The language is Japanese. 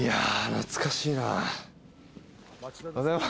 懐かしいな。